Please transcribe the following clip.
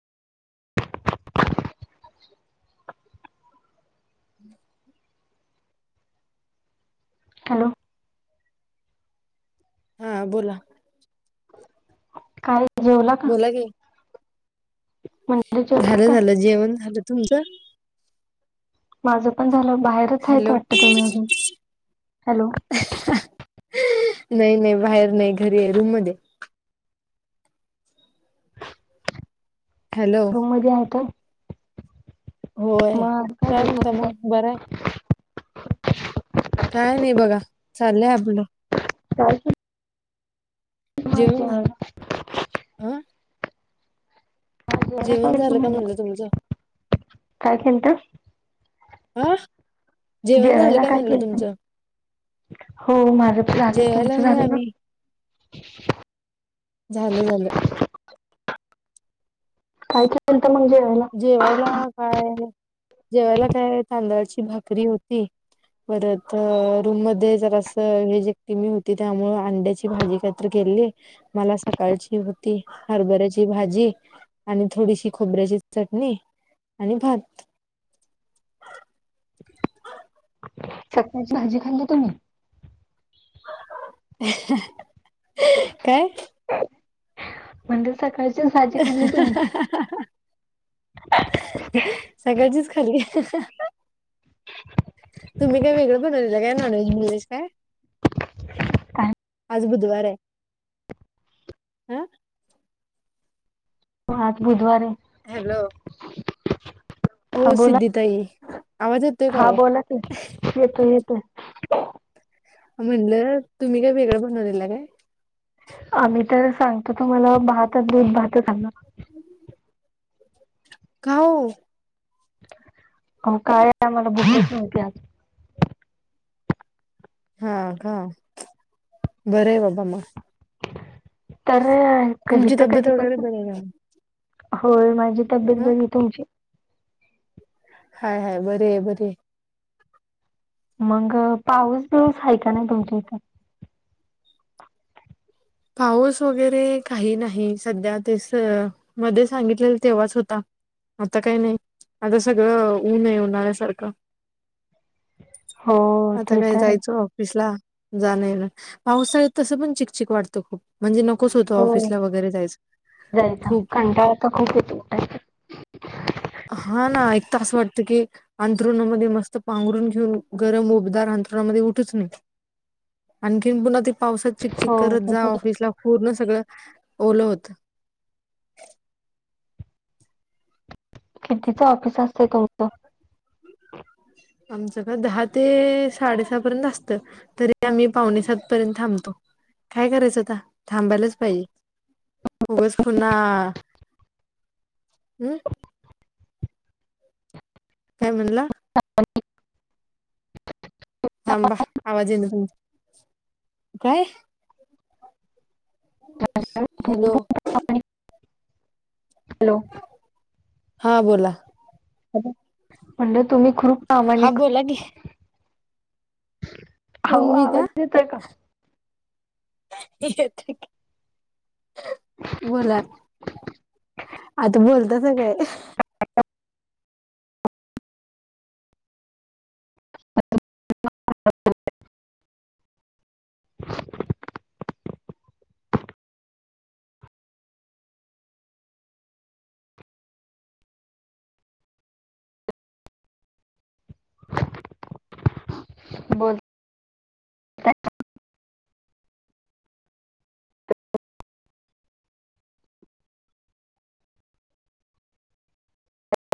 [inaudible] [inaudible] Hello. हा, बोला. काय, जेवला का? बोला की म्हणजे जेवला झालं, का झालं. जेवण झालं. तुमचं. माझं पण झालं. बाहेरच हायत हॅलो. वाटत, तुम्ही अजून. हॅलो. [unintelligible] नाही, नाही. बाहेर नाही. घरी आहे. रूम मध्ये. हॅलो. रूम मध्ये आहेत होय. मग [unintelligible] बराय. काय नाही बघा. चाललंय आपलं. काय, चाललंय. जेऊन [unintelligible] अं. [inaudible] जेवण झालं का म्हणला. म्हणलं तुमचं? काय केलतं? अं, जेवण झालं जेवायला काय, म्हणलं केलंत तुमचं? हो माझं प झालं. जेवायला तुमचं, होय झालं का? आम्ही झालं, झालं. काय, केलत मग जेवायला? जेवायला, काय? जेवायला काय? तांदळाची भाकरी होती. परत रूम मध्ये जरा असं हे जे टी कमी होती. त्यामुळ अंड्याची भाजी केली. मला सकाळची होती, हरभऱ्याची भाजी. आणि थोडीशी खोबऱ्याची चटणी. आणि भात. चक्कूची भाजी खाल्ली तुम्ही? अं हं हं... काय? म्हणजे? सकाळचे सात. अ... हं हं हं हं हं. हा हा... सगळ्यांचीच खाल्ली... अं... हं हं हं. तुम्ही वेगवेगळं बनवलेलं काय... नॉनव्हेज बिनवेज काय? काय? आज बुधवार ए. [unintelligible] आं तो हाच बुधवार ए. हॅलो. हा हो बोला... सिद्धिताई आवाज येतोय का हा हो बोला की. येतोय... येतोय. म्हलं... तुम्ही काय वेगळं समजाय लागलाय काय? आम्ही तर सांगतो तुम्हाला... भात आणि दूध भातही खाल्ला. [unintelligible] का हो? अहो काय... आम्हाला भूकच नव्हती आज. हा का? बरंय बाबा मग. तर... तुमची हिथं तब्येत वगैरे कधीपासून? बरी आहे का होय... माझी तब्येत हा बरी ए... तुमची? हाय हाय... बरी ए... बरी ए. मग... पाऊस- बिऊस हाय का नाई तुमच्या इथं? पाऊस वगैरे काही नाही... सध्या ते असं मध्ये सांगितलेलं... तेव्हाच होता. आता काय नाई... आता सगळं ऊन ए... उन्हाळ्यासारखं. [inaudible] आता ते काय... तर आहे. जायचं ऑफिसला जाणं- येणं... पावसाळ्यात तसं पण चिकचक वाटतं खूप. म्हणजे नकोच होतं हो ऑफिसला वगैरे जायचं... खूप. ताप खूप येतो... टायफाइड. हा ना... एकतर असं वाटतं की अंथरुणामधे मस्त पांघरून घेऊन... गरम उबदार अंथरुणामधे... उठूच नये. आणखी पुन्हा ते पावसात चिकचक हो करत... जा तसंच ऑफिसला... पूर्ण सगळं... ओलं होतं. कितीचं ऑफिस असतंय तुमचं? आमचं का? दहा ते साडेसहा पर्यंत असतं. तरी आम्ही पावणे सात पर्यंत थांबतो.. काय करायचं आता... थांबायलाच पाहिजे. उगच पुन्हा... हूं. काय म्हणला? [unintelligible] थांबा... आवाज येईना तुमचा. काय... हॅलो हॅलो. हा बोला. म्हणलं तुम्ही ख्रूप हा बोला की हो कोण मी आवाज का येतय का ह बोला आता बोलतस काय ह बोल